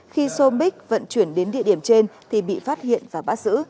khi som bích vận chuyển đến địa điểm trên thì bị phát hiện và bắt giữ